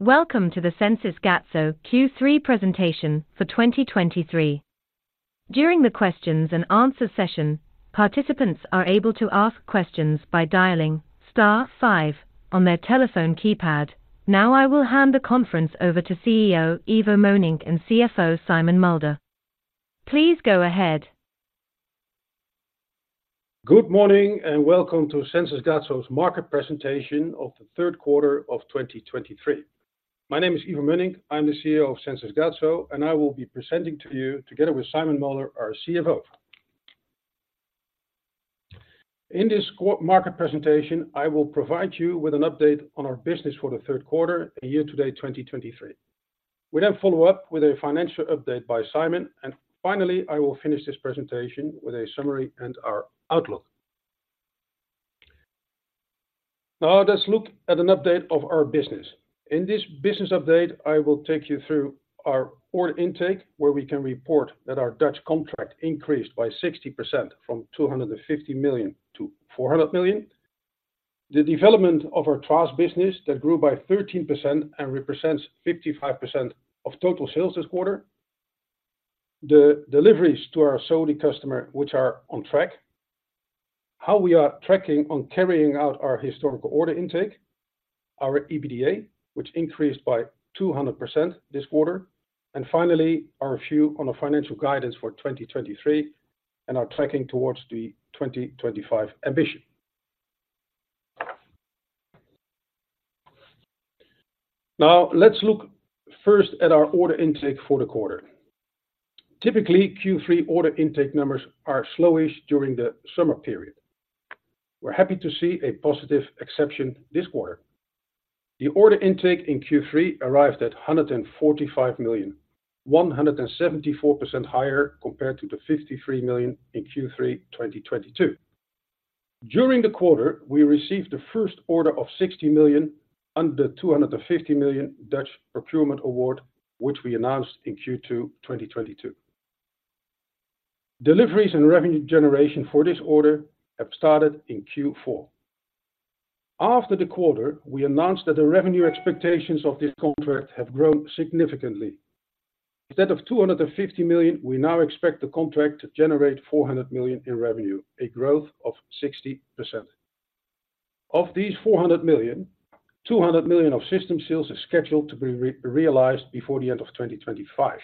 Welcome to the Sensys Gatso Q3 presentation for 2023. During the questions and answers session, participants are able to ask questions by dialing star five on their telephone keypad. Now, I will hand the conference over to CEO, Ivo Mönnink and CFO, Simon Mulder. Please go ahead. Good morning, and welcome to Sensys Gatso's market presentation of the third quarter of 2023. My name is Ivo Mönnink. I'm the CEO of Sensys Gatso, and I will be presenting to you together with Simon Mulder, our CFO. In this market presentation, I will provide you with an update on our business for the third quarter, a year-to-date, 2023. We then follow up with a financial update by Simon, and finally, I will finish this presentation with a summary and our outlook. Now, let's look at an update of our business. In this business update, I will take you through our order intake, where we can report that our Dutch contract increased by 60% from 250 million to 400 million. The development of our TRaaS business that grew by 13% and represents 55% of total sales this quarter. The deliveries to our Saudi customer, which are on track, how we are tracking on carrying out our historical order intake, our EBITDA, which increased by 200% this quarter, and finally, our view on the financial guidance for 2023, and are tracking towards the 2025 ambition. Now, let's look first at our order intake for the quarter. Typically, Q3 order intake numbers are slowish during the summer period. We're happy to see a positive exception this quarter. The order intake in Q3 arrived at 145 million, 174% higher compared to the 53 million in Q3 2022. During the quarter, we received the first order of 60 million under the 250 million Dutch procurement award, which we announced in Q2 2022. Deliveries and revenue generation for this order have started in Q4. After the quarter, we announced that the revenue expectations of this contract have grown significantly. Instead of 250 million, we now expect the contract to generate 400 million in revenue, a growth of 60%. Of these 400 million, 200 million of system sales are scheduled to be realized before the end of 2025.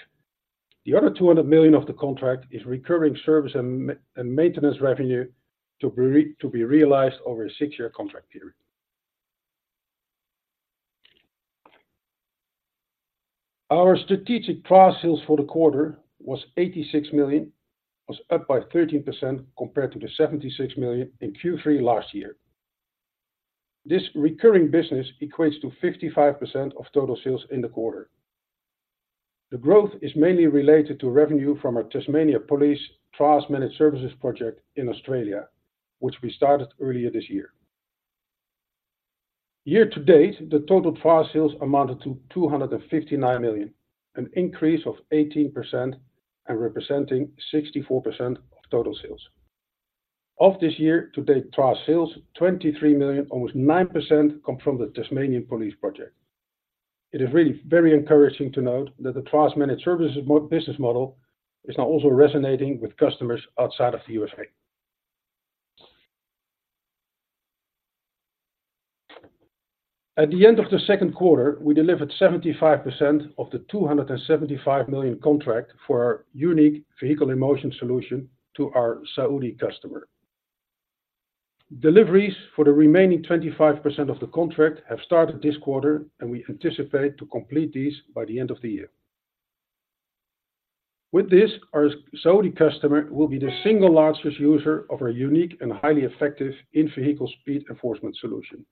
The other 200 million of the contract is recurring service and maintenance revenue to be realized over a 6-year contract period. Our strategic TRaaS sales for the quarter was 86 million, was up by 13% compared to the 76 million in Q3 last year. This recurring business equates to 55% of total sales in the quarter. The growth is mainly related to revenue from our Tasmania Police TRaaS Managed Services project in Australia, which we started earlier this year. Year to date, the total TRaaS sales amounted to 259 million, an increase of 18% and representing 64% of total sales. Of this year to date TRaaS sales, 23 million, almost 9%, come from the Tasmania Police project. It is really very encouraging to note that the TRaaS Managed Services business model is now also resonating with customers outside of the USA. At the end of the second quarter, we delivered 75% of the 275 million contract for our unique vehicle in motion solution to our Saudi customer. Deliveries for the remaining 25% of the contract have started this quarter, and we anticipate to complete these by the end of the year. With this, our Saudi customer will be the single largest user of our unique and highly effective in-vehicle speed enforcement solution.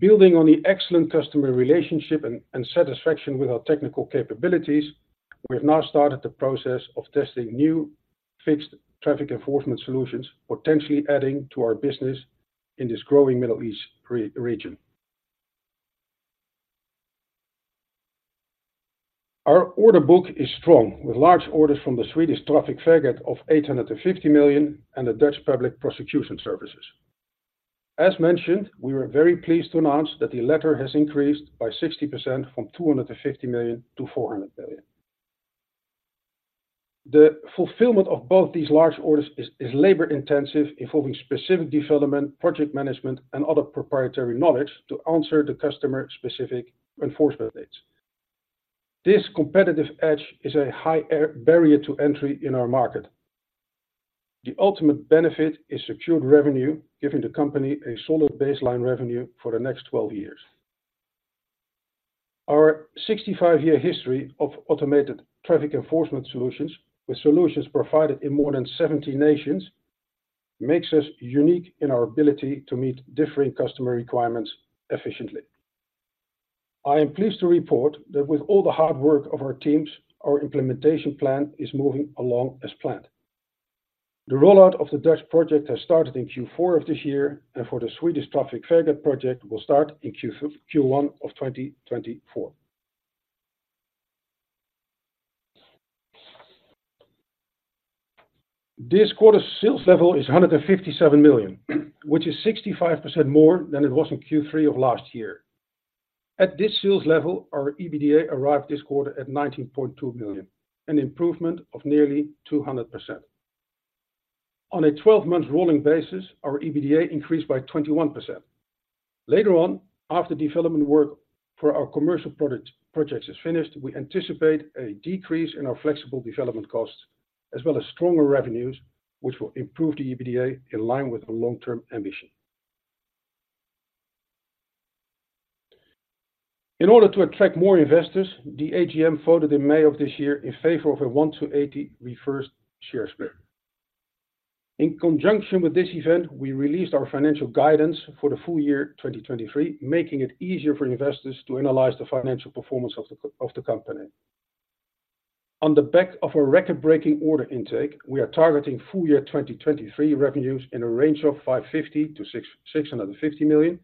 Building on the excellent customer relationship and satisfaction with our technical capabilities, we have now started the process of testing new fixed traffic enforcement solutions, potentially adding to our business in this growing Middle East region. Our order book is strong, with large orders from the Swedish Trafikverket of 850 million and the Dutch Public Prosecution Services. As mentioned, we were very pleased to announce that the latter has increased by 60% from 250 million to 400 million. The fulfillment of both these large orders is labor-intensive, involving specific development, project management, and other proprietary knowledge to answer the customer-specific enforcement needs. This competitive edge is a high barrier to entry in our market. The ultimate benefit is secured revenue, giving the company a solid baseline revenue for the next 12 years. Our 65-year history of automated traffic enforcement solutions, with solutions provided in more than 70 nations, makes us unique in our ability to meet differing customer requirements efficiently. I am pleased to report that with all the hard work of our teams, our implementation plan is moving along as planned. The rollout of the Dutch project has started in Q4 of this year, and for the Swedish Trafikverket project will start in Q1 of 2024. This quarter's sales level is 157 million, which is 65% more than it was in Q3 of last year. At this sales level, our EBITDA arrived this quarter at 19.2 million, an improvement of nearly 200%. On a 12-month rolling basis, our EBITDA increased by 21%. Later on, after development work for our commercial product projects is finished, we anticipate a decrease in our flexible development costs, as well as stronger revenues, which will improve the EBITDA in line with our long-term ambition. In order to attract more investors, the AGM voted in May of this year in favor of a 1-to-80 reversed share split. In conjunction with this event, we released our financial guidance for the full-year 2023, making it easier for investors to analyze the financial performance of the company. On the back of a record-breaking order intake, we are targeting full-year 2023 revenues in a range of 550 million-650 million,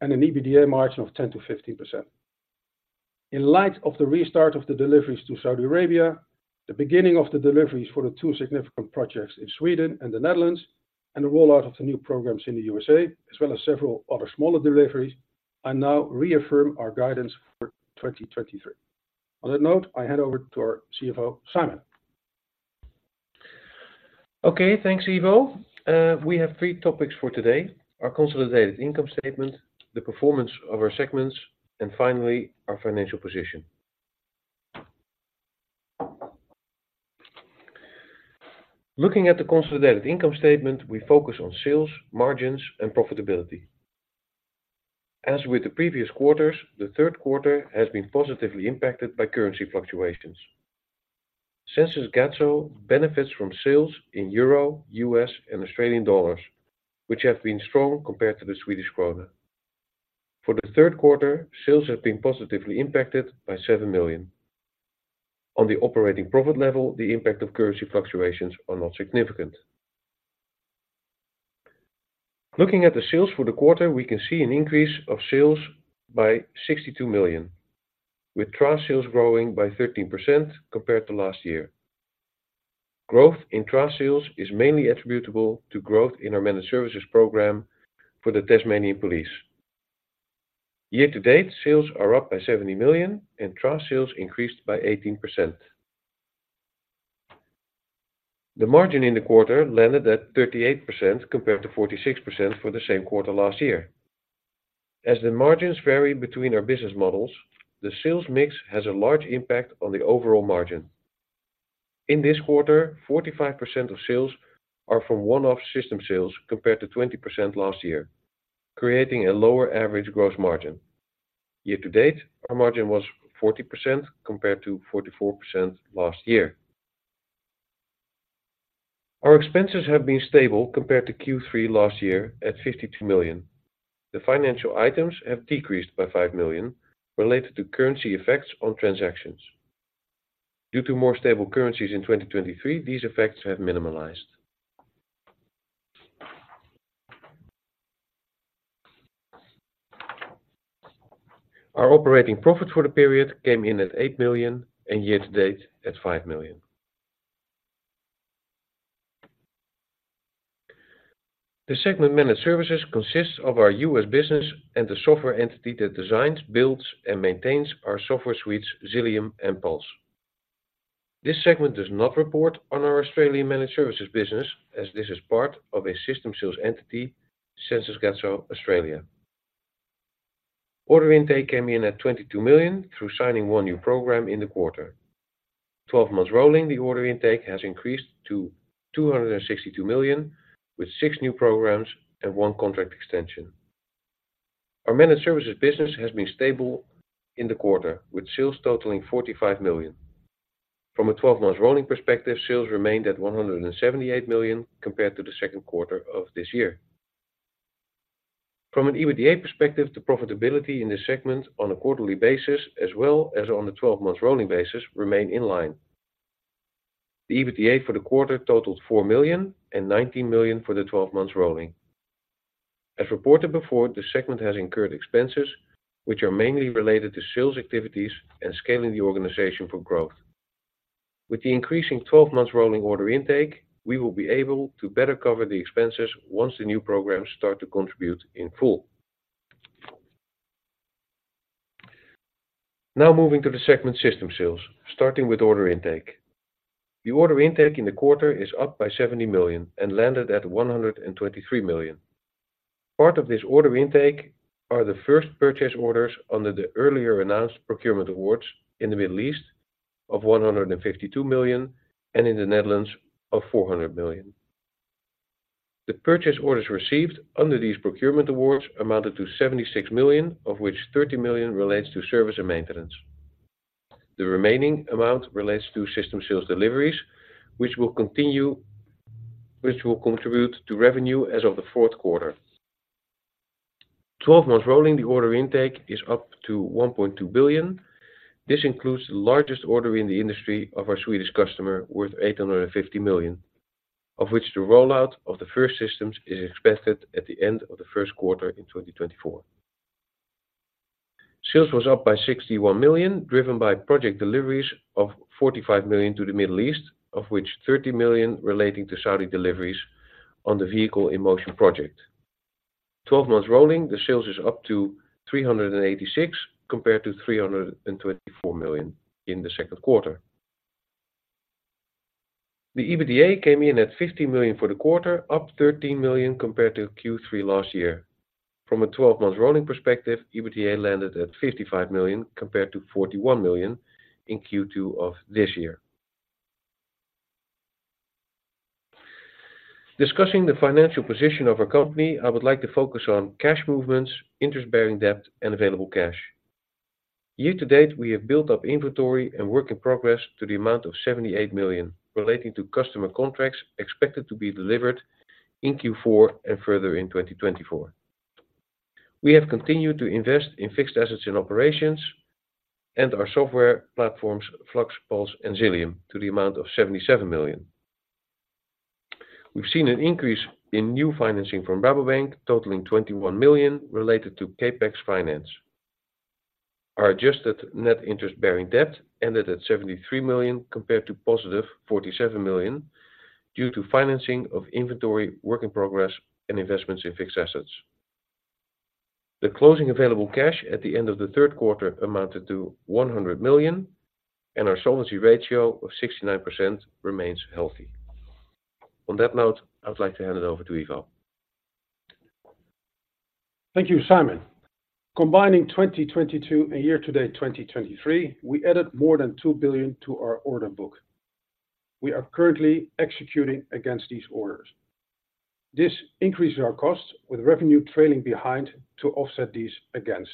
and an EBITDA margin of 10%-15%. In light of the restart of the deliveries to Saudi Arabia, the beginning of the deliveries for the two significant projects in Sweden and the Netherlands, and the rollout of the new programs in the USA, as well as several other smaller deliveries, I now reaffirm our guidance for 2023. On that note, I hand over to our CFO, Simon. Okay, thanks, Ivo. We have three topics for today: our consolidated income statement, the performance of our segments, and finally, our financial position. Looking at the consolidated income statement, we focus on sales, margins and profitability. As with the previous quarters, the third quarter has been positively impacted by currency fluctuations. Sensys Gatso benefits from sales in euro, U.S. dollar and Australian dollar, which have been strong compared to the Swedish krona. For the third quarter, sales have been positively impacted by 7 million. On the operating profit level, the impact of currency fluctuations are not significant. Looking at the sales for the quarter, we can see an increase of sales by 62 million, with TRaaS Sales growing by 13% compared to last year. Growth in TRaaS Sales is mainly attributable to growth in our managed services program for the Tasmania Police. Year-to-date, sales are up by 70 million and TRaaS sales increased by 18%. The margin in the quarter landed at 38%, compared to 46% for the same quarter last year. As the margins vary between our business models, the sales mix has a large impact on the overall margin. In this quarter, 45% of sales are from one-off system sales, compared to 20% last year, creating a lower average gross margin. Year-to-date, our margin was 40%, compared to 44% last year. Our expenses have been stable compared to Q3 last year at 52 million. The financial items have decreased by 5 million, related to currency effects on transactions. Due to more stable currencies in 2023, these effects have minimized. Our operating profit for the period came in at 8 million, and year-to-date at 5 million. The segment managed services consists of our US business and the software entity that designs, builds, and maintains our software suites, Xilium and PULS. This segment does not report on our Australian managed services business as this is part of a system sales entity, Sensys Gatso Australia. Order intake came in at 22 million through signing 1 new program in the quarter. 12-month rolling, the order intake has increased to 262 million, with 6 new programs and 1 contract extension. Our managed services business has been stable in the quarter, with sales totaling 45 million. From a 12-month rolling perspective, sales remained at 178 million compared to the second quarter of this year. From an EBITDA perspective, the profitability in this segment on a quarterly basis, as well as on the 12-month rolling basis, remain in line. The EBITDA for the quarter totaled 4 million and 19 million for the 12 months rolling. As reported before, the segment has incurred expenses, which are mainly related to sales activities and scaling the organization for growth. With the increasing 12 months rolling order intake, we will be able to better cover the expenses once the new programs start to contribute in full. Now moving to the segment system sales, starting with order intake. The order intake in the quarter is up by 70 million and landed at 123 million. Part of this order intake are the first purchase orders under the earlier announced procurement awards in the Middle East of 152 million and in the Netherlands of 400 million. The purchase orders received under these procurement awards amounted to 76 million, of which 30 million relates to service and maintenance. The remaining amount relates to system sales deliveries, which will continue to contribute to revenue as of the fourth quarter. 12 months rolling, the order intake is up to 1.2 billion. This includes the largest order in the industry of our Swedish customer, worth 850 million, of which the rollout of the first systems is expected at the end of the first quarter in 2024. Sales was up by 61 million, driven by project deliveries of 45 million to the Middle East, of which 30 million relating to Saudi deliveries on the Vehicle in Motion project. 12 months rolling, the sales is up to 386, compared to 324 million in the second quarter. The EBITDA came in at 50 million for the quarter, up 13 million compared to Q3 last year. From a 12-month rolling perspective, EBITDA landed at 55 million, compared to 41 million in Q2 of this year. Discussing the financial position of our company, I would like to focus on cash movements, interest-bearing debt, and available cash. Year to date, we have built up inventory and work in progress to the amount of 78 million, relating to customer contracts expected to be delivered in Q4 and further in 2024. We have continued to invest in fixed assets and operations, and our software platforms, Flux, PULS, and Xilium, to the amount of 77 million. We've seen an increase in new financing from Rabobank, totaling 21 million, related to CapEx finance. Our adjusted net interest bearing debt ended at 73 million, compared to positive 47 million, due to financing of inventory, work in progress, and investments in fixed assets. The closing available cash at the end of the third quarter amounted to 100 million, and our solvency ratio of 69% remains healthy. On that note, I would like to hand it over to Ivo. Thank you, Simon. Combining 2022 and year to date, 2023, we added more than 2 billion to our order book. We are currently executing against these orders. This increases our costs, with revenue trailing behind to offset these against.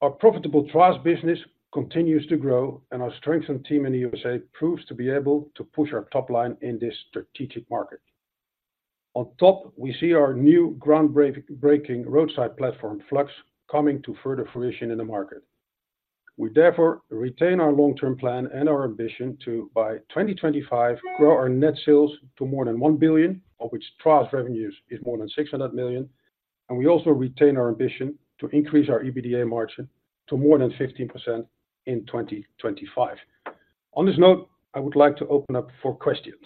Our profitable TRaaS business continues to grow, and our strengthened team in the USA proves to be able to push our top line in this strategic market. On top, we see our new groundbreaking, groundbreaking roadside platform, Flux, coming to further fruition in the market. We therefore retain our long-term plan and our ambition to, by 2025, grow our net sales to more than 1 billion, of which trials revenues is more than 600 million, and we also retain our ambition to increase our EBITDA margin to more than 15% in 2025. On this note, I would like to open up for questions.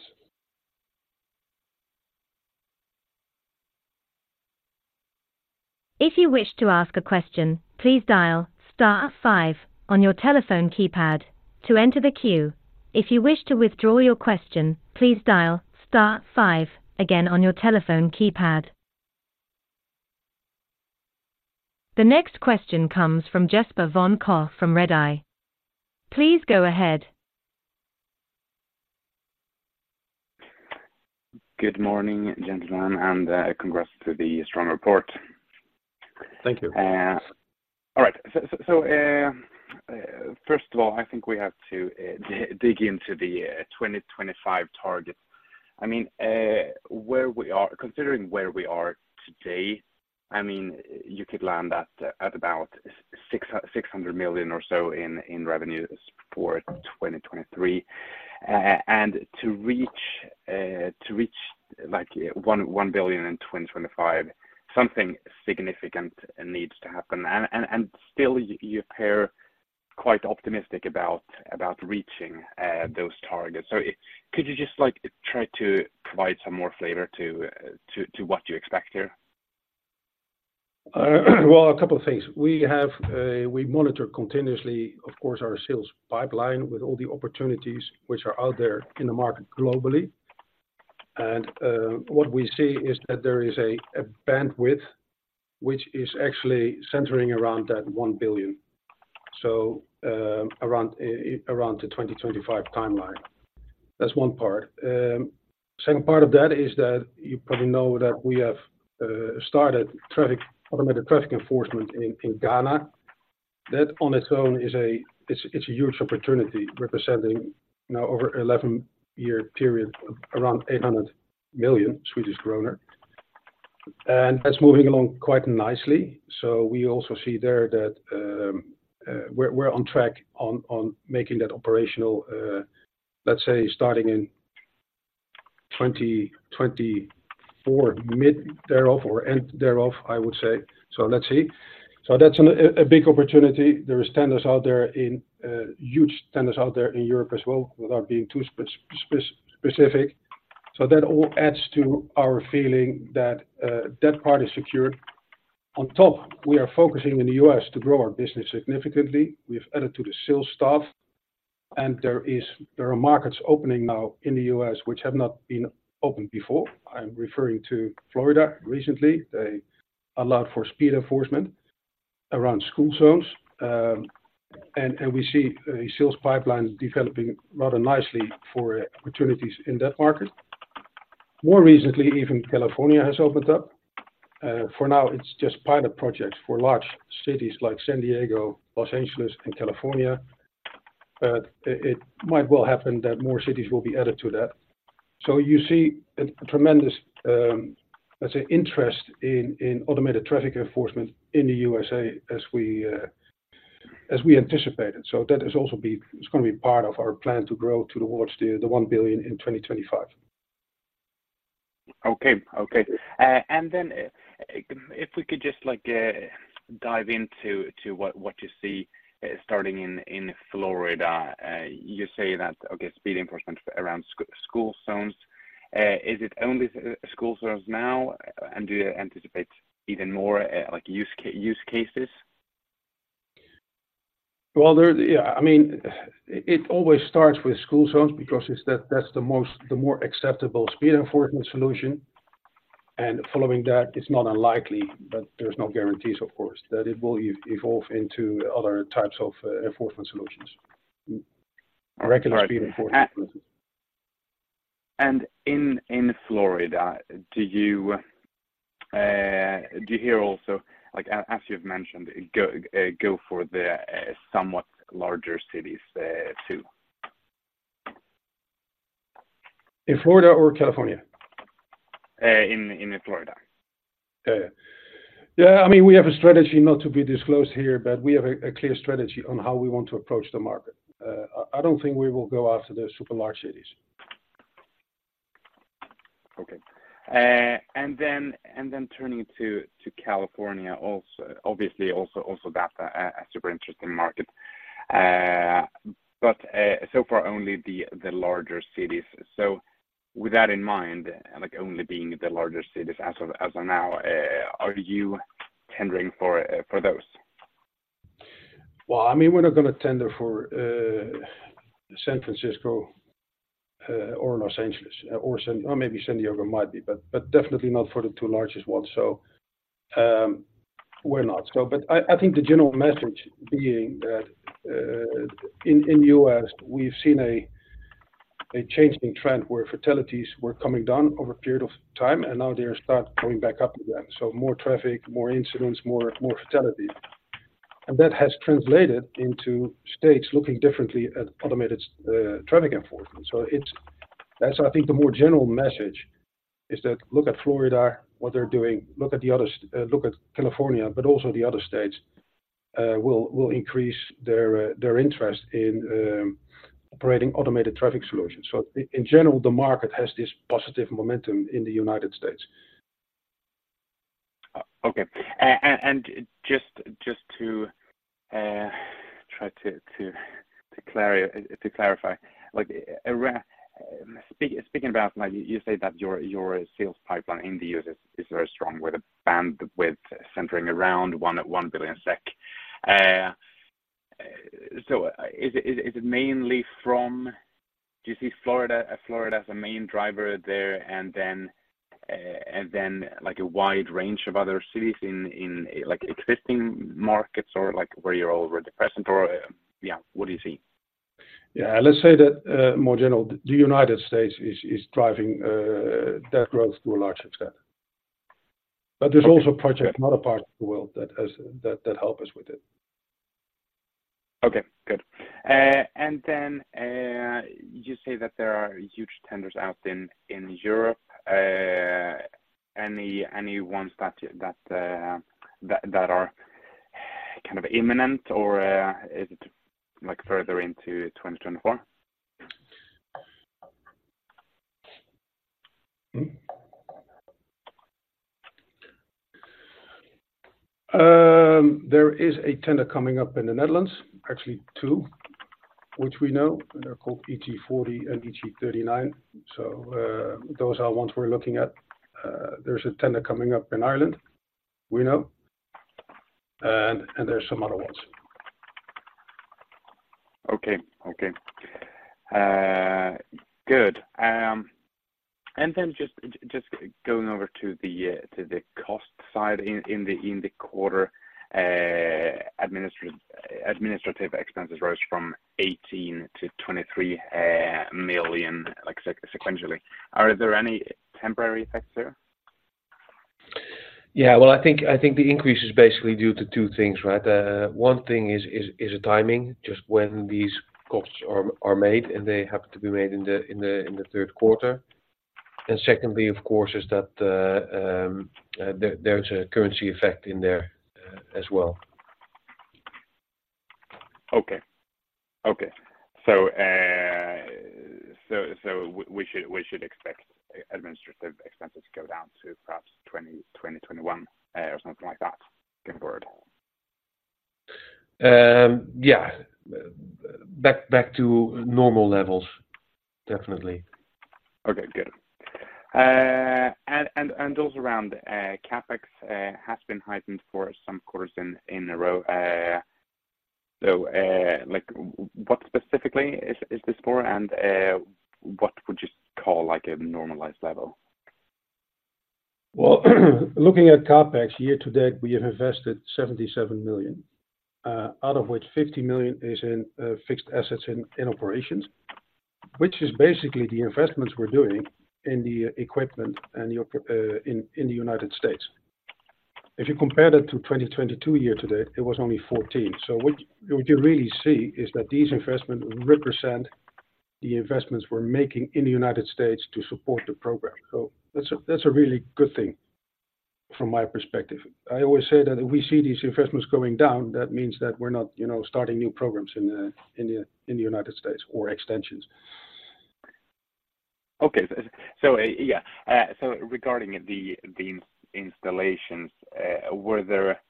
If you wish to ask a question, please dial star five on your telephone keypad to enter the queue. If you wish to withdraw your question, please dial star five again on your telephone keypad. The next question comes from Jesper von Koch from Redeye. Please go ahead. Good morning, gentlemen, and congrats to the strong report. Thank you. All right. So first of all, I think we have to dig into the 2025 target. I mean, where we are, considering where we are today, I mean, you could land at about 600 million or so in revenues for 2023. And to reach like 1 billion in 2025, something significant needs to happen. And still, you appear quite optimistic about reaching those targets. So could you just, like, try to provide some more flavor to what you expect here? Well, a couple of things. We monitor continuously, of course, our sales pipeline with all the opportunities which are out there in the market globally. And what we see is that there is a bandwidth, which is actually centering around 1 billion. So around the 2025 timeline. That's one part. Second part of that is that you probably know that we have started automated traffic enforcement in Ghana. That on its own is a huge opportunity, representing now over 11-year period, around 800 million Swedish kronor, and that's moving along quite nicely. So we also see there that we're on track on making that operational, let's say, starting in 2024, mid thereof or end thereof, I would say. So let's see. So that's a big opportunity. There are tenders out there in huge tenders out there in Europe as well, without being too specific. So that all adds to our feeling that that part is secured. On top, we are focusing in the U.S. to grow our business significantly. We've added to the sales staff, and there are markets opening now in the U.S. which have not been opened before. I'm referring to Florida. Recently, they allowed for speed enforcement around school zones, and we see a sales pipeline developing rather nicely for opportunities in that market. More recently, even California has opened up. For now, it's just pilot projects for large cities like San Diego, Los Angeles, and California, but it might well happen that more cities will be added to that. So you see a tremendous, let's say, interest in automated traffic enforcement in the USA as we anticipated. So that is also it's gonna be part of our plan to grow towards the 1 billion in 2025.... Okay, okay. And then, if we could just like dive into what you see starting in Florida. You say that, okay, speed enforcement around school zones. Is it only school zones now? And do you anticipate even more, like use cases? Well, there, yeah, I mean, it always starts with school zones because it's that, that's the most, the more acceptable speed enforcement solution, and following that, it's not unlikely, but there's no guarantees, of course, that it will evolve into other types of enforcement solutions. Regular speed enforcement. In Florida, do you hear also, like, as you've mentioned, go for the somewhat larger cities, too? In Florida or California? In Florida. Okay. Yeah, I mean, we have a strategy not to be disclosed here, but we have a clear strategy on how we want to approach the market. I don't think we will go after the super large cities. Okay. And then turning to California, also, obviously, that a super interesting market. But so far only the larger cities. So with that in mind, like only being the larger cities as of now, are you tendering for those? Well, I mean, we're not going to tender for, San Francisco, or Los Angeles, or San, or maybe San Diego might be, but, but definitely not for the two largest ones. So, we're not. So but I, I think the general message being that, in, in U.S., we've seen a, a changing trend where fatalities were coming down over a period of time, and now they start going back up again. So more traffic, more incidents, more, more fatalities. And that has translated into states looking differently at automated, traffic enforcement. So it's- that's I think the more general message, is that look at Florida, what they're doing, look at the other, look at California, but also the other states, will, will increase their, their interest in, operating automated traffic solutions. So in general, the market has this positive momentum in the United States. Okay. And just to try to clarify, like, speaking about, like, you say that your sales pipeline in the U.S. is very strong, with a band with centering around SEK 1 billion. So is it mainly from... Do you see Florida as a main driver there, and then, and then, like, a wide range of other cities in existing markets or where you're already present or, yeah, what do you see? Yeah, let's say that, more general, the United States is driving that growth to a large extent. Okay. But there's also projects in other parts of the world that help us with it. Okay, good. And then you say that there are huge tenders out in Europe. Any ones that are kind of imminent, or is it like further into 2024? There is a tender coming up in the Netherlands, actually, two, which we know, and they're called EG40 and EG39. So, those are ones we're looking at. There's a tender coming up in Ireland, we know, and there are some other ones. Okay, okay. Good. And then just, just going over to the cost side in the quarter, administrative expenses rose from 18 million to 23 million, like sequentially. Are there any temporary effects there? Yeah, well, I think the increase is basically due to two things, right? One thing is the timing, just when these costs are made, and they happen to be made in the third quarter. And secondly, of course, is that there is a currency effect in there, as well. Okay, okay. So, we should expect administrative expenses to go down to perhaps 2021 or something like that going forward? Yeah, back to normal levels, definitely. Okay, good. Also around CapEx has been heightened for some quarters in a row. Like, what specifically is this for, and what would you call, like, a normalized level? Well, looking at CapEx year to date, we have invested 77 million, out of which 50 million is in fixed assets in operations, which is basically the investments we're doing in the equipment and in the United States. If you compare that to 2022 year to date, it was only 14. So what you really see is that these investments represent the investments we're making in the United States to support the program. So that's a really good thing.... From my perspective, I always say that if we see these investments going down, that means that we're not, you know, starting new programs in the United States or extensions. Okay. So, yeah, so regarding the installations, were there,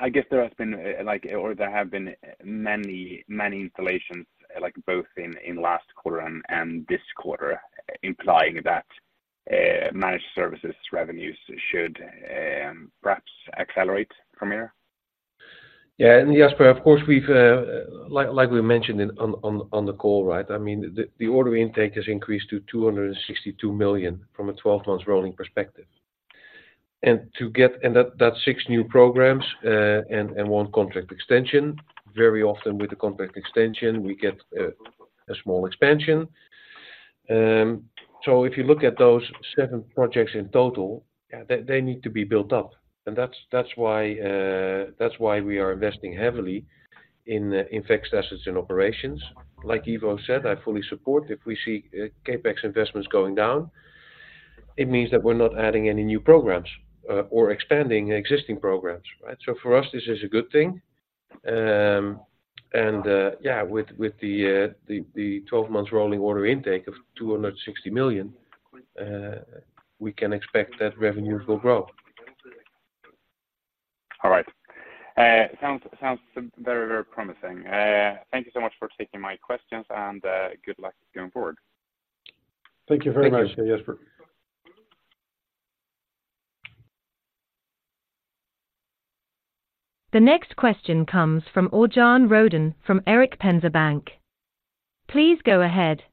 I guess there has been, like, or there have been many, many installations, like both in last quarter and this quarter, implying that Managed Services revenues should perhaps accelerate from here? Yeah, and Jesper, of course, we've, like, like we mentioned in, on, on, on the call, right? I mean, the order intake has increased to 262 million from a 12-month rolling perspective. And that, that's 6 new programs, and 1 contract extension. Very often with the contract extension, we get a small expansion. So if you look at those 7 projects in total, yeah, they need to be built up. And that's why we are investing heavily in fixed assets and operations. Like Ivo said, I fully support if we see CapEx investments going down, it means that we're not adding any new programs or expanding existing programs, right? So for us, this is a good thing. With the 12-month rolling order intake of 260 million, we can expect that revenues will grow. All right. Sounds very, very promising. Thank you so much for taking my questions, and good luck going forward. Thank you very much- Thank you. Jesper. The next question comes from Örjan Rödén, from Erik Penser Bank. Please go ahead.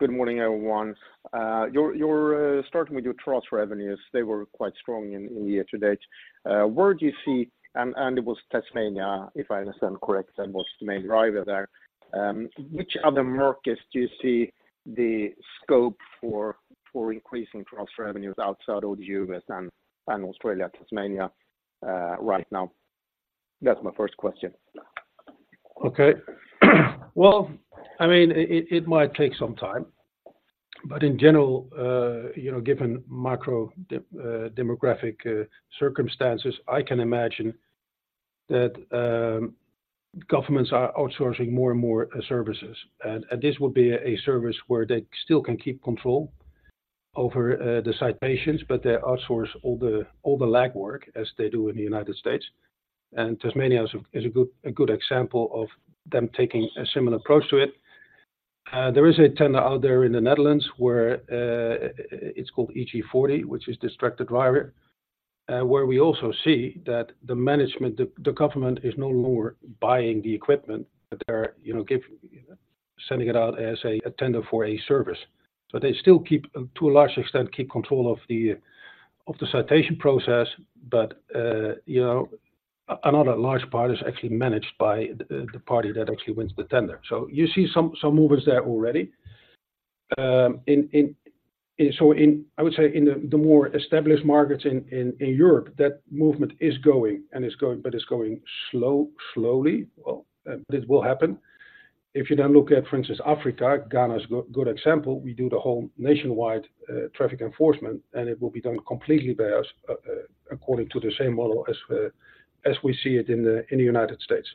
Good morning, everyone. You're starting with your TRaaS revenues, they were quite strong in year to date. Where do you see, and it was Tasmania, if I understand correct, that was the main driver there. Which other markets do you see the scope for increasing TRaaS revenues outside of the U.S. and Australia, Tasmania, right now? That's my first question. Okay. Well, I mean, it might take some time, but in general, you know, given macro-demographic circumstances, I can imagine that governments are outsourcing more and more services. And this will be a service where they still can keep control over the citations, but they outsource all the legwork as they do in the United States. And Tasmania is a good example of them taking a similar approach to it. There is a tender out there in the Netherlands where it's called EG40, which is distracted driver, where we also see that the management, the government is no longer buying the equipment, but they're, you know, sending it out as a tender for a service. So they still keep, to a large extent, keep control of the citation process, but you know, another large part is actually managed by the party that actually wins the tender. So you see some movers there already. In the more established markets in Europe, that movement is going, and it's going, but it's going slowly. Well, this will happen. If you then look at, for instance, Africa, Ghana is a good example. We do the whole nationwide traffic enforcement, and it will be done completely by us according to the same model as we see it in the United States.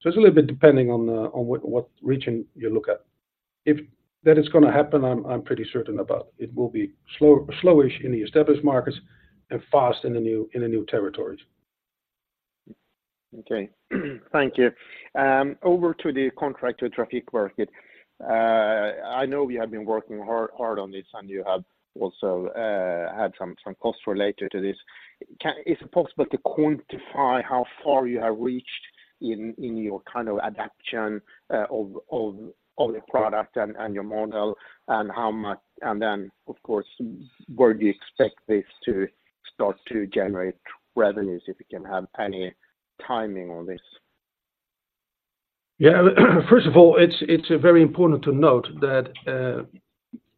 So it's a little bit depending on what region you look at. If that is gonna happen, I'm pretty certain about. It will be slowish in the established markets and fast in the new territories. Okay. Thank you. Over to the contract traffic market. I know you have been working hard on this, and you have also had some costs related to this. Is it possible to quantify how far you have reached in your kind of adaptation of the product and your model, and how much? And then, of course, where do you expect this to start to generate revenues, if you can have any timing on this? Yeah. First of all, it's very important to note that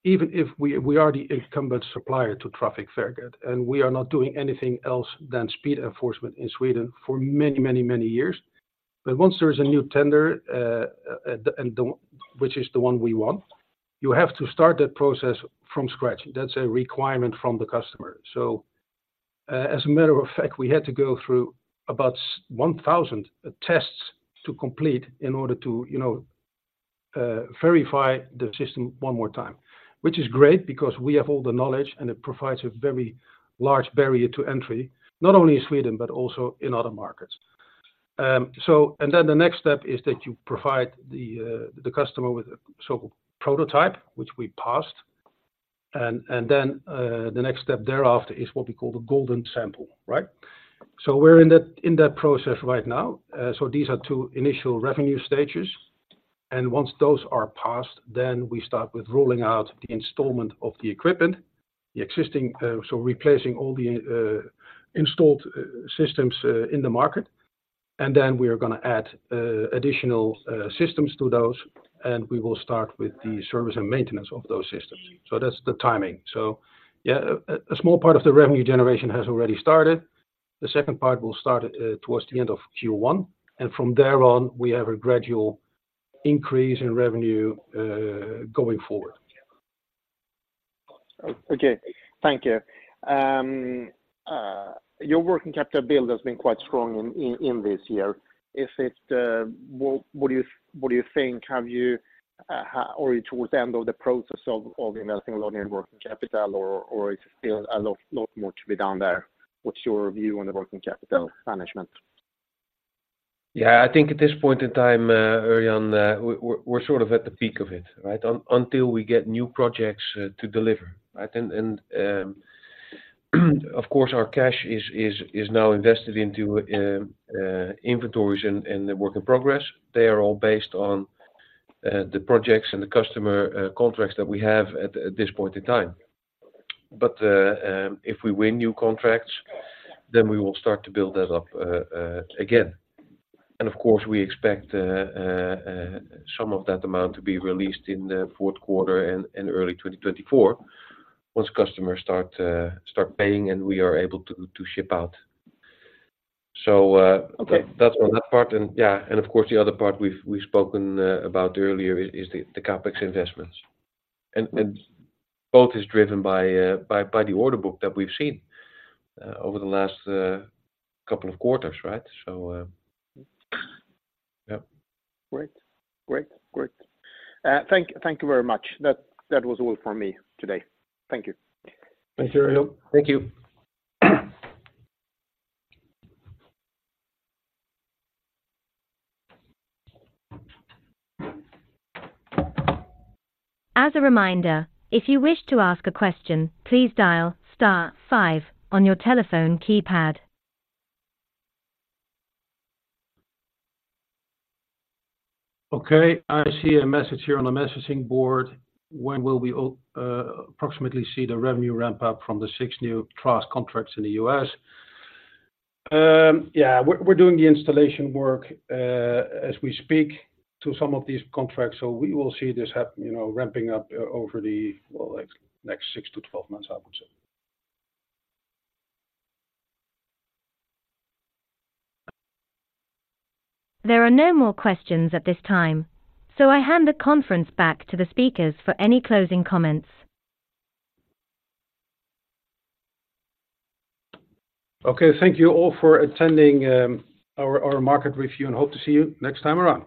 even if we are the incumbent supplier to Trafikverket, and we are not doing anything else than speed enforcement in Sweden for many, many, many years. But once there is a new tender, which is the one we want, you have to start that process from scratch. That's a requirement from the customer. So, as a matter of fact, we had to go through about 1,000 tests to complete in order to, you know, verify the system one more time. Which is great because we have all the knowledge, and it provides a very large barrier to entry, not only in Sweden but also in other markets. So and then the next step is that you provide the customer with a so-called prototype, which we passed, and then the next step thereafter is what we call the golden sample, right? So we're in that process right now. So these are two initial revenue stages, and once those are passed, then we start with rolling out the installment of the equipment, the existing, so replacing all the installed systems in the market, and then we are gonna add additional systems to those, and we will start with the service and maintenance of those systems. So that's the timing. So yeah, a small part of the revenue generation has already started. The second part will start towards the end of Q1, and from there on, we have a gradual- ... increase in revenue, going forward. Okay, thank you. Your working capital build has been quite strong in this year. Is it what do you think? Have you or towards the end of the process of investing a lot in working capital or is it still a lot more to be done there? What's your view on the working capital management? Yeah, I think at this point in time, Rödén, we're sort of at the peak of it, right? Until we get new projects to deliver, right? Of course, our cash is now invested into inventories and the work in progress. They are all based on the projects and the customer contracts that we have at this point in time. But if we win new contracts, then we will start to build that up again. Of course, we expect some of that amount to be released in the fourth quarter and early 2024, once customers start paying and we are able to ship out. So, Okay. That's on that part, and yeah, and of course, the other part we've spoken about earlier is the CapEx investments. And both is driven by the order book that we've seen over the last couple of quarters, right? So, yep. Great. Great. Great. Thank you very much. That was all for me today. Thank you. Thank you, Rödén. Thank you. As a reminder, if you wish to ask a question, please dial star five on your telephone keypad. Okay, I see a message here on the messaging board. When will we approximately see the revenue ramp up from the six new TRaaS contracts in the U.S.? Yeah, we're doing the installation work as we speak to some of these contracts, so we will see this you know, ramping up over the well, next six to 12 months, I would say. There are no more questions at this time, so I hand the conference back to the speakers for any closing comments. Okay, thank you all for attending our market review, and hope to see you next time around.